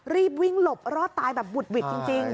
รีบวิ่งหลบรอดตายแบบบุดหวิดจริง